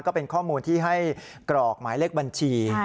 ก็เป็นข้อมูลที่ให้กรอกหมายเลขบัญชี